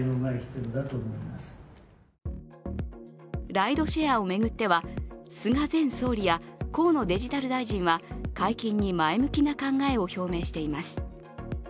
ライドシェアを巡っては菅前総理や河野デジタル大臣は解禁に前向きな考えを表明しています。